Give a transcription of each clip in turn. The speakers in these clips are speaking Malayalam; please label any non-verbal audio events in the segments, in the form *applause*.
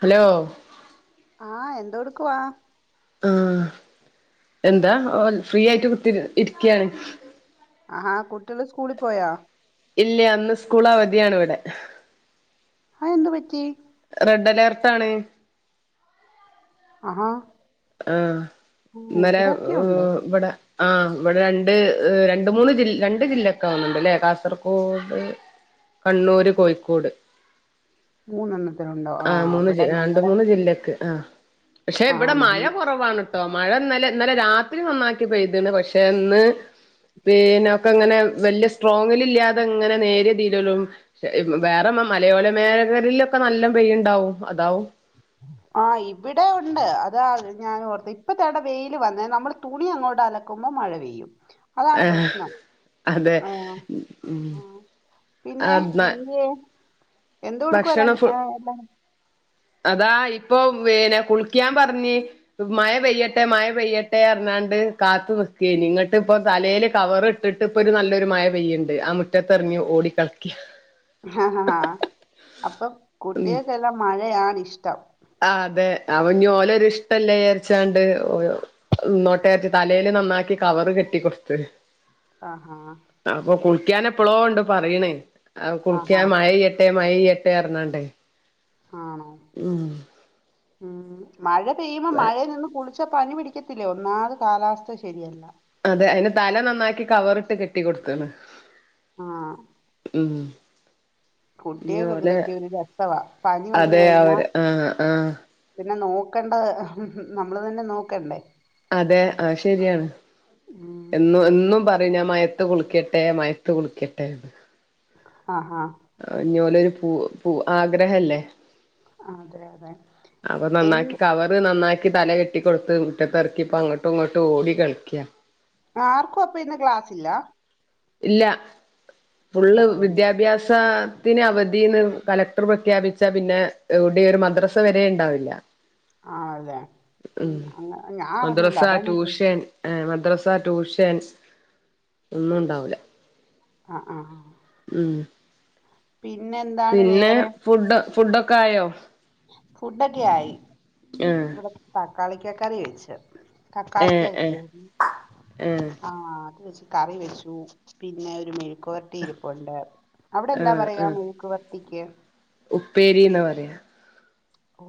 ഹലോ ആഹ് എന്തോടുക്കുവാ ആഹ് എന്താ ഓ ഫ്രീ ആയിട്ട് കുത്തി ഇരിക്കയാണ് ആഹ് കുട്ടികള് സ്കൂളിൽ പോയോ ഇല്യാ ഇന്ന് സ്കൂള് അവധിയാണ് ഇവിടെ അയെന്തു പറ്റീ റെഡ്ഡലേർട്ടാണ് അഹാ ആഹ് ഇന്നലെ ഉണ്ട് ഇവിടെ ആഹ് ഇവിടെ രണ്ട് രണ്ട് മൂന്ന് ജിൽ രണ്ട് ജില്ലൊക്കെ ആവുന്നുണ്ട് ഇല്ലേ കാസർഗോഡ് കണ്ണൂര് കോഴിക്കോട് മൂന്നെണ്ണത്തിനുണ്ടോ ആ ആഹ് മൂന്ന് ഇവിടെ ജ രണ്ടു ഞങ്ങടെ മൂന്ന് ജില്ലക്ക് ആ പക്ഷെ ആ ഇവിടെ ഞ മയ കുറവാണ് ട്ടോ മഴ ഇന്നലെ ഇന്നലെ രാത്രി നന്നാക്കിപ്പെയ്ത്ണ് പക്ഷെ ന്ന് പിന്നെ ഒക്കെ ഇങ്ങനെ വല്യ സ്ട്രോങ്ങിലില്ലാതെ ഇങ്ങനെ നേരിയതില്ലേള്ളൂ വേറെ മലയോല മേഖലയിലൊക്കെ നല്ലം പെയ്യുണ്ടാവും അതാവും ആ ആഹ് ഇവിടെ ഒണ്ട് അതാ ഞാൻ ഓർത്തെ ഇപ്പ തോടെ വെയില് വന്നേ നമ്മള് തുണി അങ്ങോട്ടല ക്കുമ്പോ മഴ പെയ്യും അതാണ് ഏഹ് പ്രശ്നം അതെ ആഹ് ആ പിന്നെ എന്ത്യേ എന്തെടുക്കുവാ ര ഭക്ഷണം ഫു എല്ലാരും അതാ ഇപ്പൊ പിന്നെ കുളിക്കാൻ പറഞ്ഞി മയ പെയ്യട്ടെ മയ പെയ്യട്ടെ പറഞ്ഞോണ്ട് കാത്ത് നിക്കേനി ഇങ്ങട്ട് ഇപ്പം തലേല് കവറ് ട്ടിട്ട് ഇപ്പൊ ഒരു നല്ലൊരു മയ പെയ്യണ്ട് ആ മുറ്റത്ത് ഇറങ്ങി ഓടി കളിക്ക ആഹ് അപ്പൊ കുട്ടികൾക്ക് എല്ലാം മഴയാണ് ഇഷ്ടം ആഹ് അതെ അവഞ്ഞി ഓല് ഒരു ഇഷ്ടല്ലേ വിയാരിച്ചോണ്ട് ഓയോ ന്നോട്ടേറ്റ് തലേല് നന്നാക്കി കവറ് കെട്ടി കൊടുത്ത് ആഹാ അപ്പൊ കുളിക്കാൻ എപ്പോളോ ഓണ്ട് പറയണ് ആഹാ കുളിക്കാൻ മയ പെയ് ട്ടേ മയ പെയ്യട്ടെ പറഞ്ഞോണ്ട് ആണോ ഉം ഉം മഴ പെയ്യുമ്പോ മഴയിൽ നിന്ന് കുളിച്ച് പ പനി പിടിക്കത്തില്ലേ ഒന്നാമത് കാലാവസ്ഥ ശരിയല്ല അതെ അയിന് തല നന്നാക്കി കവറിട്ട് കെട്ടി കൊടുത്താണ് ആഹ് ഉം ഇഞ്ഞ് കുട്ടികക്ക് ഓലെ ഇതൊക്കെ ഒരു രസവാ പനി വന്ന് അതെ കഴിഞ്ഞാ അവര് ആഹ് ആഹ് പിന്നെ നോക്കണ്ടത് നമ്മൾ തന്നെ നോക്കണ്ടേ അതെ ആ ശരിയാണ് ഉം എന്നും എന്നും പറയും ഞാൻ മയത്ത് കുളിക്കട്ടെ മയത്ത് കുളിക്കട്ടെ എന്ന് ആഹാ ഞ്ഞി ഓലെ ഒരു പൂ പൂ ആഗ്രഹല്ലേ ആഹ് അതെ അതെ അപ്പൊ നന്നാക്കി എന്ത് കവറ് നന്നാക്കി തല കെട്ടി കൊടുത്ത് മുറ്റത്ത് എറക്കി ഇപ്പ അങ്ങോട്ടും ഇങ്ങോട്ടും ഓടി കളിക്ക്യാ ആർക്കും അപ്പ ഇന്ന് ക്ലാസില്ലാ ഇല്ല ആ ഫുള്ള് വിദ്യാഭ്യാസ സത്തിന് അവധീന്ന് കലക്ടർ പ്രഖ്യാപിച്ച പിന്നെ എവിടേം ഒരു മദ്രസ വരെ ഇണ്ടാവില്ല ആഹ് അതെ ഉം അങ്ങ ഞാ അറിഞ്ഞില്ല അതാ ഞാ ചോദിച്ചേ. ഏ മദ്രസ ട്യൂഷൻസ് ഒന്നുണ്ടാവൂല. അ ആഹ്. ഉം. എന്താണ് പിന്നെ വേറെ ഫുഡ് ഫുഡൊക്കായോ. ഫുഡൊക്കെയായി ആഹ് ഇവടെ തക്കാളിക്ക കറി വെച്ച്. ഏഹ് തക്കാളിക്ക്യ വെച്ച് ഏഹ് ഉം. ഏഹ് ആഹ് അത് വെച്ച് കറി വെച്ചു പിന്നെ ഒരു മെഴിക്ക് വെര് ട്ടി ഇരിപ്പൊണ്ട് അവിടെ എന്താ പറയാ മെഴുക്കു പരട്ടിക്ക്. ഉപ്പേരിന്നാ പറയാ. ഓ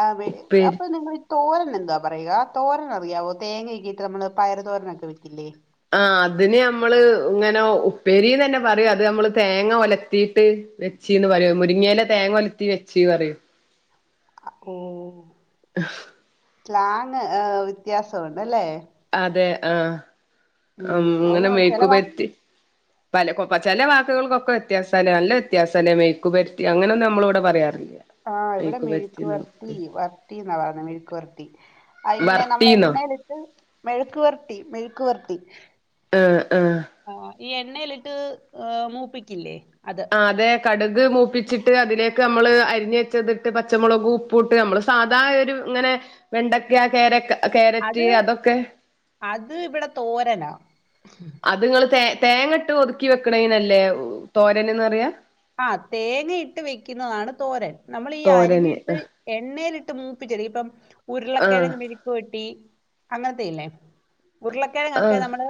അ പി ഉപ്പേരി അപ്പൊ നിങ്ങള്. തോരന് എന്താ പറയുക തോരൻ അറിയാവോ തേങ്ങക്കേ ഇട്ട് നമ്മള് പയറ് തോരന് ഒക്കെ വെക്കില്ലേ. ആഹ് അതിന് ഞമ്മള് ഇങ്ങനൊ ഉപ്പേരിന്ന് തന്നെ പറയും അത് നമ്മള് തേങ്ങ ഒലത്തിട്ട് വെ ച്ചീന്ന് പറയും മുരിങ്ങ എല തേങ്ങ ഓലത്തി വെച്ചിന്ന് പറിം. അ ഓഹ്. ആ് സ്ലാങ്ങ് ആ വ്യത്യാസം ഒണ്ട് അല്ലേ. അതെ ആഹ് ഉം അത് ഇങ്ങനെ ചില വാക്ക് മെയുക്കുപെര്ട്ടി. പല കൊ ചെല വാക്കുകൾക്കൊക്ക വ്യത്യാസാലേ നല്ല വ്യത്യാസാലേ മെയുക്കുപെര്ട്ടി അങ്ങനൊന്നും നമ്മള് വടെ പറയാറില്ല. ആഹ് ഇവിടെ മിഴുക്ക് വര്ത്തി മെഴുക്കുപെരട്ടീന്നൊന്നും വർത്തി ന്നാ പറയുന്നത് മെഴുക്കുവർത്തി. അയിങ്ങനെ നമ്മള് വറട്ടീന്നോ എണ്ണേലിട്ട് മെഴുക്ക് വര്ട്ടി മെഴുക്ക് വര്ട്ടി. ആഹ് ആഹ്. ആഹ് ഈ എണ്ണേലിട്ട് മൂപ്പിക്കില്ലേ അത്. ആഹ് അതെ കടുക് മൂപ്പിച്ചിട്ട് അതിലേക്ക് നമ്മള് അരിഞ്ഞുവെച്ചത്ട്ട് പച്ചമുളകു ഉപ് പുട്ട് നമ്മള് സാധായൊരു ഇങ്ങനെ വെണ്ടക്ക്യ കാരക്ക് അത് കേരറ്റ് അതൊക്കെ. അത് ഇവിടെ തോരനാ. അത്ങ്ങള് തേ തേങ്ങട്ട് ഒതുക്കിവെക്ക്ണേനല്ലേ തോരനെന്നു പറയാ. ആഹ് തേങ്ങയിട്ട് വയ്ക്കുന്നതാണു തോരൻ. നമ്മളീ തോരന് അരിഞ്ഞിട്ട് എണ്ണയിലിട്ടുമൂപ്പിച്ചെടുക്കും ഇപ്പം ആ ഉരുളക്കിഴങ്ങു മെഴുക് ആ ക്കുവട്ടി അങ്ങനത്തെയില്ലേ ആ ഉരുളക്കിഴങ്ങൊക്കെ നമ്മള്.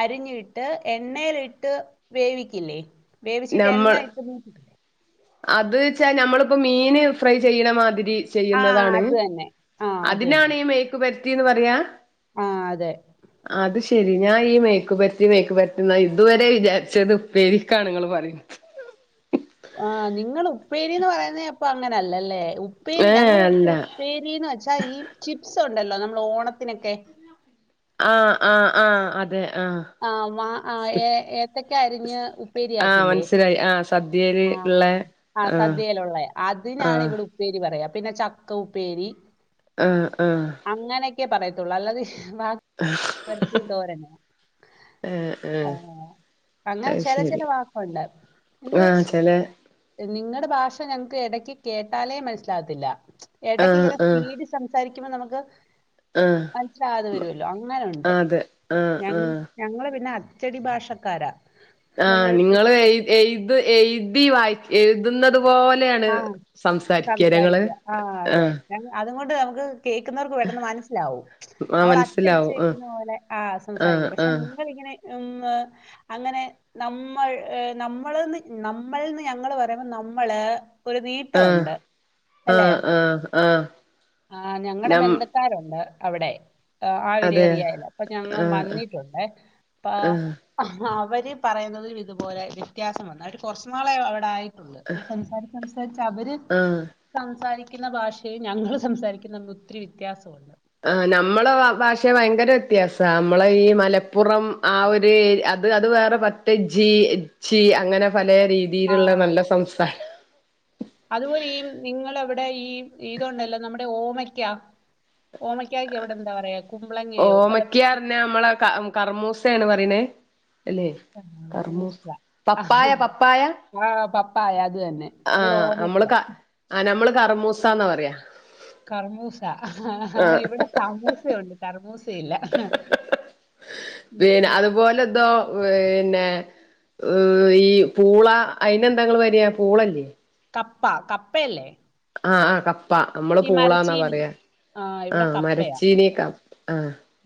അരിഞ്ഞ് ഇട്ട് എണ്ണേലിട്ട് വേവിക്കില്ലേ വേവ് നമ്മൾ അതുവച്ചാ നമ്മള്പ്പ മീന് ഫ്രൈ ചെയ്യണമാതിരി. ആ ചെയ്യുന്നതാണ് അത് തന്നെ ആ അത് അതിനാണീ മെഴുക്കു പര്ട്ടിന്ന് പറയാ. ആഹ് അതെ. അത്ശെരി ഞാ ഈ മെയുക്കുപര്ട്ടി മെയുക്കു പര്ട്ടി ന്ന ഇതുവരെ വിചാരിച്ചത് ഉപ്പേരിക്കാണ്ങ്ങള് പറ ആഹ്‌ നിങ്ങളുപ്പേരീന്നു പറയുന്നെയപ്പൊ അങ്ങനല്ലല്ലേ ഉപ്പേരി ഏ ഞങ്ങടെയിവിടുത്തെ ഉ അല്ല ഉപ്പേരീന്ന് വെച്ചാ ഈ ചിപ്സുണ്ടല്ലോ നമ്മള് ഓണത്തിനൊക്കെ. ആഹ് ആഹ് ആഹ് ആഹ് അതെ ആഹ്. ആഹ് മാ ആ ഏ ഏത്തക്ക്യാ അരിഞ്ഞ്. ആഹ് ഉപ്പേരിയാക്കില്ലേ മൻസ്സിലായി ആഹ്. സദ്യയില് ആഹ് ഇള്ള ആ ആഹ് സദ്യയിലുള്ളേ അത് ആഹ് ഞാനിവിടു ഉപ്പേരി പറയാ പിന്നെ ചക്ക ഉപ്പേരി. ആഹ് ആഹ്. അങ്ങനെക്കേ പറയത്തൊള്ളൂ അല്ലാതെ ശ് വ മെഴുക്കുവരട്ടി, തോരന ഏഹ് ഏഹ് ആഹ് അങ്ങനെ അത് ചല ചല ശരി വാക്കുണ്ട് എന്തോ ആഹ് ചെലെ നിങ്ങളുടെ ഭാഷ ഞങ്ങക്കിടക്കുകേട്ടാലേ മനസ്സിലാകത്തില്ല, ആഹ് ആഹ് ഇടക്കിങ്ങനെസ്പീഡ് സംസാരിക്കുമ്പ നമുക്ക് ആഹ് ആഹ് മനസ്സിലാകാതെ വരുമല്ലോ അങ്ങനെണ്ട്. അതെ ആഹ് ഞങ്ങ് ആഹ് ഞങ്ങളു പിന്നെ അച്ചടി ഭാഷക്കാരാ ആഹ് നമ്മുടെ നിങ്ങള് ടെക്സ്റ്റിലൊക്കെ എഴുത് എഴുതി വായി എഴുതുന്നതു പോലെയാണ് ആഹ് സംസാരിക്കാലേ ങ്ങള് ആ ഞങ്ങാ അതുകൊണ്ടു നമുക്ക് കേക്കുന്നവർക്കു പെട്ടെന്നു മനസ്സിലാവും ആഹ് നമ്മള് അച്ചടിച്ചു മനസ്സിലാവും വെക്കുന്നപോലെ ആ ആഹ് സംസാരിക്കും. പക്ഷെ ആഹ് നിങ്ങളിങ്ങനെ ഉമ് അങ്ങനെ നമ്മൾ ഏ നമ്മളെന്നു നമ്മൾ എന്നു ഞങ്ങളു പറയുമ്പോൾ ഞമ്മള് ഒരു ആഹ് നീട്ടമുണ്ട് അല്ലെ ആഹ് ആഹ്, ആഹ് ആ ഞങ്ങടെ നം ബന്ധുക്കാരുണ്ട് അവിടെ ആ അതെ ഒരേറിയാല്‌ അപ്പൊ ഞങ്ങ ആഹ് വന്നിട്ടുണ്ടേ അപ്പാ ആഹ് ആ അവരുപറയുന്നതു മിതുപോലെ വ്യത്യാസം വന്നു. അവര് കൊറച്ചു നാളെയവിടെ ആയിട്ടൊള്ള് പ്പംസംസാര സംസാരിച്ചവര് ആഹ് സംസാരിക്കുന്ന ഭാഷയും ഞങ്ങളു സംസാരിക്കുന്നതും ഒത്തിരി വ്യത്യാസമുണ്ട്. ആ നമ്മടെ ഭാഷ ഭയങ്കര വ്യത്യാസ നമ്മളയീ മലപ്പുറം ആയൊരു ഏരി അത് അതുവേറെ പത്ത് ജി ചി അങ്ങനെ പലേ ആ രീതിയിലുള്ള നല്ല സംസാരം അതുപോലെ യീ നിങ്ങളവിടെ യീ ഇതുണ്ടല്ലോ നമ്മുടെ ഓമയ്ക്കാ ഓമയ്ക്കാ ക്കവിടെ എന്താ പറയാ കുമ്പളങ്ങയോ അല്ല ഓമക്കാ ർഞ്ഞാ നമ്മളെ ക കറുമൂസേണ് പറിണേ അല്ലേ മൂസ കറമൂസ പപ്പായ പപ്പായ ആ പപ്പായ അതുതന്നെ ഇവിടെ ഓമക്ക ആ നമ്മള് കറുമൂസാന്നു പറയാ കർമൂസ ആഹ് ഇവിടെ സമൂസ ഉണ്ട് കർമൂസ ഇല്ല പിന്നെ അതുപോലെ ഇതോ പിന്നെ ഹ് ഈ പൂളാ അയിന് എന്താ ങ്ങള് പരയ പൂള ല്ലേ കപ്പ കപ്പയല്ലേ ആ ആ കപ്പ നമ്മള് ഈ പൂളാന്നാ മരച്ചീനി പറയാ ആ ഇവിടെ കപ്പയാ മരച്ചീനി കപ്പ് ആ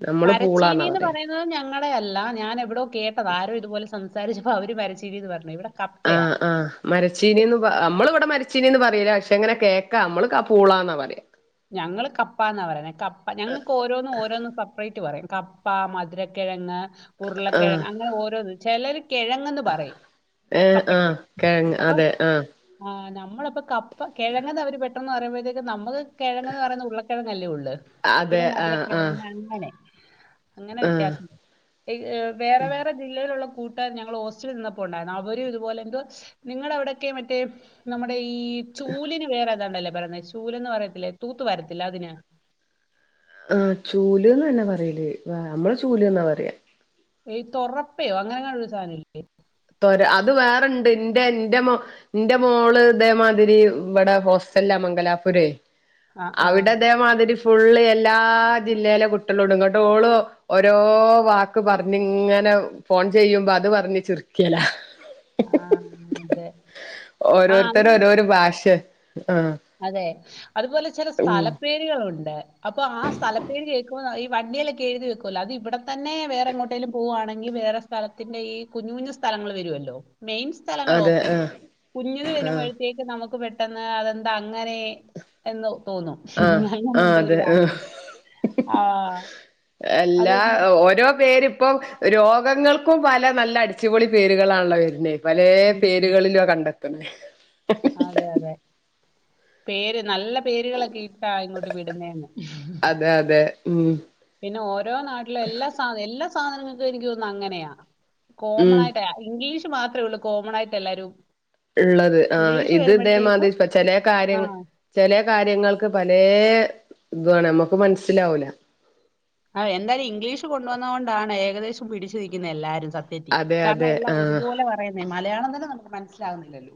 നമ്മള് പൂളാന്നാ പറയാ അത് ഞങ്ങളെ അല്ല ഞാൻ എവിടോ കേട്ടതാ ആരോ ഇതുപോലെ സംസാരിച്ചപ്പോ അവര് മരച്ചീനീന്ന് പറഞ്ഞു ഇവിടെ കപ്പയാ ആഹ് ആഹ് മരചീനീന്ന് പ അമ്മള് ഇവിടെ മരച്ചീനീന്ന് പറയില്ല പക്ഷെ അങ്ങനെ കേക്കാ അമ്മള് ക പൂളന്നാ പറയാ ഞങ്ങള് കപ്പന്ന പറയുന്ന കപ്പ ഞങ്ങക്ക് ഓരോന്നും ഓരോന്നും സെപ്പറേറ്റ് പറയും കപ്പ മധുരക്കിഴങ്ങ് ആഹ് ഉർളക്കിഴങ് അങ്ങനെ ഓരോന്ന് ചിലര് കിഴ ങ്‌ എന്ന് പറയും ഏഹ് കപ്പക്ക് ആഹ് കിഴങ്ങ് അപ്പ അതെ ആഹ് ആ നമ്മളപ്പൊ കപ്പ കിഴങ്ങന്ന് അവര് പെട്ടന്ന് പറയുമ്പോഴത്തേക്ക് നമ്മക്ക് കിഴങ്ങ്ന്ന് പറയുന്ന ഉള്ളക്കിഴങ്ങല്ലേ ഉള്ളൂ പിന്നെ അതെ മധുര ആഹ് ആഹ് കിഴങ്ങ് അങ്ങനെ അങ്ങനെ ആഹ് വ്യത്യാസം വരും എ ഈ വേറെ വേറെ ജില്ലയിലുള്ള കൂട്ടുകാര് ഞങ്ങള് ഹോസ്റ്റലിൽ നിന്നപ്പോ ഉണ്ടായിരുന്നു അവരും ഇതുപോലെ എന്തുവാ നിങ്ങള അവിടൊക്കെ മറ്റേ നമ്മുടെ ഈ ചൂലിന് വേറെഏതാണ്ടല്ലേ പറയുന്നേ ചൂലന്ന് പറയത്തില്ലേ തൂത്തു വാരത്തില്ലേ അതിന് ആ ചൂല് ന്ന് തന്നെയാ പറയല് നമ്മള് ചൂല് ന്നാ പറയാ ഈ തൊറപ്പയോ അങ്ങനെങ്ങാണൊ ഒരു സാധനം ഇല്ലേ തൊര അത് വേറെണ്ട് എന്റെ എന്റെ മൊ ഇന്റെ മോള് ഇതേമാതിരി ഇവിടെ ഹോസ്റ്റലില മംഗലാപുരെ ആ ആ അവിടെ ഇതേമാതിരി ഫുള്ള് എല്ലാ ജില്ലയിലെ കുട്ടികള ഇടു ന്നിട്ട് ഓളു ഓരോ വാക്ക് പറഞ്ഞ ഇങ്ങനെ ഫോൺ ചെയ്യുമ്പോ അത് പറഞ്ഞ് ചിരിക്കല ആ അതെ ആ ഓരോരുത്തരെ അങ്ങനെ ഓരോരോ ഭാഷ ആഹ ആഹ് അതെ അതുപോലെ ചില ഉം സ്ഥലപ്പേര് കുട്ടികളുണ്ട് അപ്പോ ആ സ്ഥല പേര് കേക്കുമ്പോ വണ്ടിലൊക്കെ എഴുതി വെക്കുല്ലോ അത് ഇവിടെ തന്നെ വേറെ എങ്ങോട്ടേലും പോവുവാണെങ്കിൽ വേറെ സ്ഥലത്തിന്റെ ഈ കുഞ്ഞു കുഞ്ഞു സ്ഥലങ്ങൾ വരുല്ലോ മെയിൻ മെയിൻ സ്ഥലങ്ങള് അതെ ഒക്കെ ആഹ് കുഞ്ഞത് ആഹ് വരുമ്പോഴത്തേക്ക് നമുക്ക് പെട്ടെന്ന് അതെന്താ അങ്ങനെ എന്ന് തോന്നും ആഹ് ഞ ഞാൻ ആഹ് എന്ത ഒരു അതെ ആഹ് വാട്ടം ആ അത് എല്ലാ എന്ത്? ഓരോ പേരിപ്പം രോഗങ്ങൾക്കും പല നല്ല അടിച്ചുപൊളി പേരുകളാണല്ലോ വരുന്നത് പലേ ഉം പേരുകളിലും കണ്ടെ *unintelligible* അതെ അതെ പേര് നല്ല പേരുകളൊക്കെ ഇട്ടാ ഇങ്ങോട്ട് വിടുന്നേ ന്ന് അതെ അതെ ഉം പിന്നെ ഓരോ നാട്ടിലും എല്ലാ സാധ എല്ലാ സാധനങ്ങൾക്കും എനിക്ക് തോന്നുന്നു അങ്ങനെയാ കോമൺ ഉം ആയിട്ട ഇംഗ്ലീഷ് മാത്രമേ ഉള്ളൂ കോമൺ ആയിട്ട് എല്ലാരും ഇള്ളത് ആ ഇത് ഇതെ മാതിരി ഇപ്പ ചില ആ കാര്യങ്ങ ചെലേ കാര്യങ്ങൾക്ക് പല ഇതുആണ് നമ്മുക്ക് മനസ്സിലാവൂല ആ എന്തായാലും ഇംഗ്ലീഷ് കൊണ്ടുവന്നത് കൊണ്ടാണ് ഏകദേശം പിടിച്ചിരിക്കുന്ന എല്ലാവാരും സത്യ അതെ *unintelligible* കാരണം അതെ എല്ലാം ആഹ് ഒരുപോലെ വര പറയന്നെ മലയാളം തന്നെ നമുക്ക് മനസ്സിലാവുന്നില്ലല്ലോ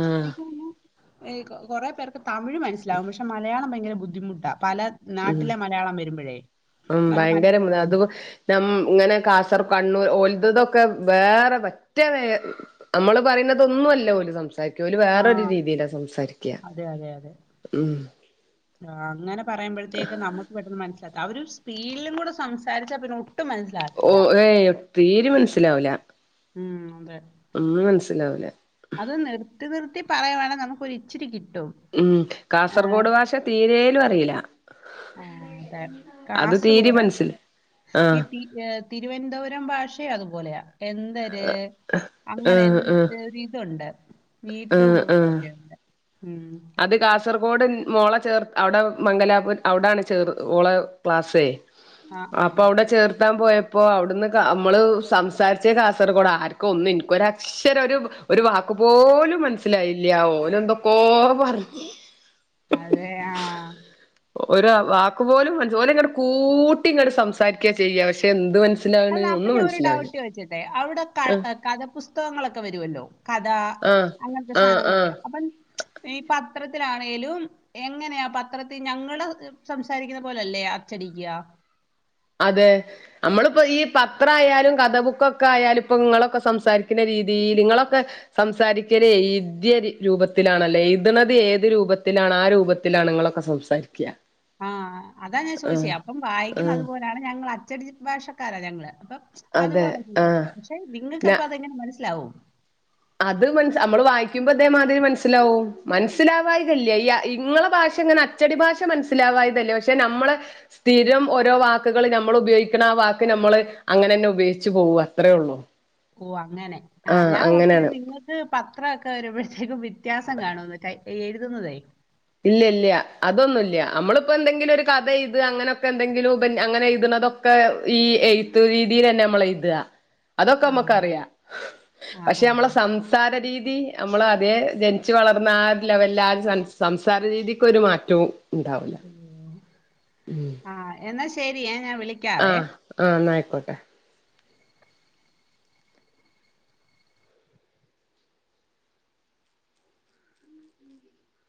ആഹ് തോന്നുന്നെ കുറെ പേർക്ക് തമിഴ് മനസ്സിലാവും പക്ഷെ മലയാളം ഭയങ്കര ബുദ്ധിമുട്ടാ പല ഉം നാട്ടിലെ മലയാളം വരുമ്പോഴേ ഉം ഭയങ്കരം അത് നമ്മ ഇങ്ങനെ കാസർ കണ്ണൂർ ഒലുതതൊക്കെ വേറെ മറ്റേ വേ നമ്മള് പറയുന്നതൊന്നുല്ല ഓല് സംസാരി സംസാരിക്ക ഓല് വേറൊരു ആഹ് രീതിയിലാ സംസാരിക്യാ ഉം ആ അങ്ങനെ പറയുമ്പോഴത്തേക്ക് നമ്മുക്ക് പെട്ടെന്ന് മനസ്സിലാക്ക അവര് ഒരു സ്പീഡിലും കൂടെ സംസാരിച്ചാ പിന്നെ ഒട്ടും മന ഓ ഏയ് തീരിം മനസ്സിലാവൂല്ല ഉം അതെ ഒന്നും മനസ്സിലാവൂല അത് നിർത്തി നിർത്തി പറയുകവാണെ നമുക്കൊരിച്ചിരി കിട്ടും ഉം ആഹ് കാസർഗോഡ് ഭാഷ തീരേലും അറിയില്ല ആഹ് അതെ അത് തീരെ കാസർഗോഡ് മനസ്സിൽ ഈ ആഹ് തിരുവനന്തപുരം ഭാഷയു അതുപോലെയാ എ ന്തര് ആഹ് അങ്ങനെ ആഹ് എന്ത് ഒരിതുണ്ട് നീട്ടും ആഹ് കുത്തും ആഹ് ഒക്കെ ഉണ്ട് ഉം അത് കാസർഗോഡ് ൻ മോള ചേർ അവടെ മംഗലാപു അവിടാണ് ചേർ ഓളെ ക്ലാസ്സേയ് ആ ആ അപ്പൊ അവടെ ചേർ ത്താൻ പോയപ്പോ അവിടുന്ന് ക അമ്മള് സംസാരിച്ച കാസർഗോഡ ആർക്കും ഒന്നും ഇൻകൊരക്ഷര ഒരു ഒരു വാക്ക് പോലും മനസ്സിലായില്ല ഓനെന്തൊക്കോ പറഞ്ഞ അതെ ആഹ് ഒരാ വാകു പോലും മനസ്പോലെ ഓല്ങ്ങട്ട് കൂട്ടി ങ്ങട്ട് സംസാരിക്കചെയ്യ പക്ഷെ എന്ത് മന അല്ല അപ്പ ഞാ ഒരു ഡൗട്ട് ചോയ്ച്ചട്ടെ അവടെ ക ആഹ് കഥപുസ്തകങ്ങളൊക്കെ വരുവല്ലോ കഥാ ആഹ് അങ്ങനത്തെ ആഹ് ആഹ് സായനങ്ങളൊക്കെയാ അപ്പം ഈ പത്രത്തിലാണേലും എങ്ങനെയാ പത്രത്തിൽ ഞങ്ങള് സംസാരിക്കുന്ന പോലല്ലേ അച്ചടിക്കാ അതെ അമ്മളിപ്പോ ഈ പത്ര ആയാലും കഥ ബുക്കൊക്കെ ആയാലും ഇപ്പൊ ഇങ്ങളൊക്കെ സംസാരിക്കുന്ന രീതീല് ഇങ്ങളൊക്കെ സംസാരിക്കല് ഇദ്യ രൂപത്തിലാണല്ലേ എഴ്ത്ണത് ഏത് രൂപത്തിലാണ് ആ രൂപത്തിലാണ് ഇങ്ങളൊക്കെ സം സാരിക്ക്യാ ആഹ് അതാ ഞാൻ ചോദിചെ അപ്പം വായിക്കുന്ന ആഹ് അതുപോലെയാണ് ഞങ്ങൾ അച്ചടി ഭാഷക്കാരാ ഞങ്ങള് അപ്പൊ അതെ അതുപോലെ ആഹ് സംസാരിക്കാം പക്ഷെ നിങ്ങൾക്ക് ന അപ്പ അതെങ്ങനെ മനസ്സിലാവും അത് മൻസ അമ്മള് വായിക്കുമ്പോഇതേമാതിരി മനസ്സിലാവും. മനസ്സിലാവായികല്യ ഈ ഇങ്ങളെ ഭാഷ ഇങ്ങനെ അ അച്ചടി ഭാഷ മനസ്സിലാവായികല്ല പക്ഷെ ഞമ്മളെ സ്ഥിരം ഓരോ വാക്കുകള് ഞമ്മള്പയോഗിക്കണ ആ വാക്ക് ഞമ്മള് അങ്ങനെന്നെ ഉപയോഗിച്ച് പോവാ അത്രേ ഒള്ളൂ ഓഹ് അങ്ങനെ ആഹ് ഞാൻ ഓർത്തിനി നിങ്ങ ക്ക്‌ പത്രൊക്കെ വരുമ്പോഴത്തേക്കും വ്യത്യാസം കാണോന്ന് എഴുതുന്നതേയ് ഇല്ല്യ ഇല്ല്യ അതൊന്നുല്ല്യാ അമ്മളിപ്പോ എന്തെങ്കിലൊരു കഥ എയ്ത് അങ്ങനെയൊക്കെ ന്തെങ്കിലും ഉപന്ന്യ അങ്ങനെയ്ത്ണതൊ ക്കെ ഈ എയ്ത്ത് രീതിലെന്നെ അമ്മളെയ്താ അതൊക്കെ ആ. അമ്മക്കറിയാ ആ ആ. പക്ഷെ അമ്മളെ സം സംസാര രീതി, അമ്മള് അതേ ജനിച്ച് വളർന്ന ആ ഒര് ലെവല്ല ആ ഒര് സ സംസാര രീതിക്കൊരു മാറ്റവും ണ്ടാവൂല ആഹ് എന്നാ ശരിയേ ഞാൻ വിളി ആഹ് ആഹ് ന്നാ ആയിക്കോട്ടെ.